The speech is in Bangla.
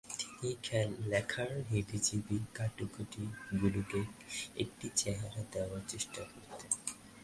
তিনি লেখার হিজিবিজি কাটাকুটিগুলিকে একটি চেহারা দেওয়ার চেষ্টা করতেন।